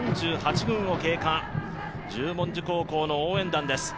十文字高校の応援団です。